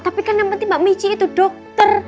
tapi kan yang penting mbak michi itu dokter